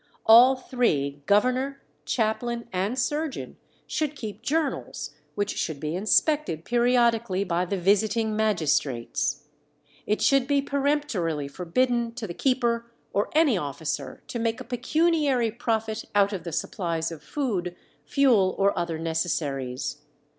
All three, governor, chaplain, and surgeon, should keep journals, which should be inspected periodically by the visiting magistrates. It should be peremptorily forbidden to the keeper or any officer to make a pecuniary profit out of the supplies of food, fuel, or other necessaries.